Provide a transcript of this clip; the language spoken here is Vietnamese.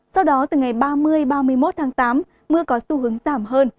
sau đó tăng nhẹ trong hai ngày cuối tháng